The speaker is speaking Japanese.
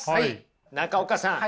中岡さん